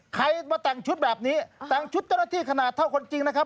ใครมาแต่งชุดแบบนี้แต่งชุดเจ้าหน้าที่ขนาดเท่าคนจริงนะครับ